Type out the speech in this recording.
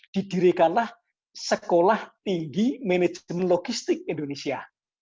didirikanlah sekolah tinggi manajemen logistik indonesia